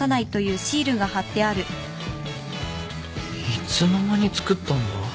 いつの間に作ったんだ？